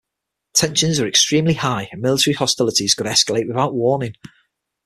Tensions are extremely high and military hostilities could escalate without warning.